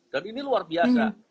dan ini luar biasa